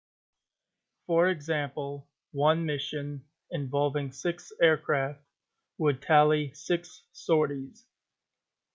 For example, one mission involving six aircraft would tally six sorties.